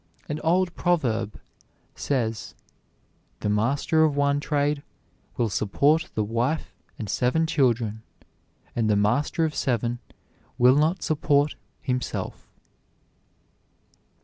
An old proverb says: "The master of one trade will support a wife and seven children, and the master of seven will not support himself."